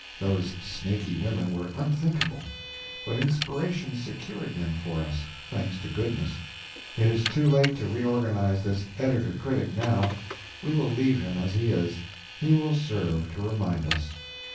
Those snaky women were unthinkable, but inspiration secured them for us, thanks to goodness. It is too late to reorganize this editor critic now; we will leave him as he is. He will serve to remind us.